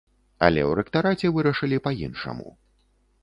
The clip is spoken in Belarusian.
Але ў рэктараце вырашылі па-іншаму.